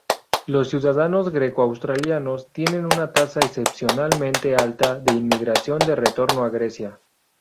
Los ciudadanos greco-australianos tienen una tasa excepcionalmente alta de inmigración de retorno a Grecia.